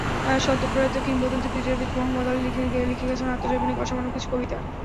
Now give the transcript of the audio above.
সদ্যপ্রয়াত কিংবদন্তি ক্রীড়াবিদ মোহাম্মদ আলী লিখে গেছেন আত্মজৈবনিক অসামান্য কিছু কবিতা।